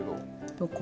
どこ？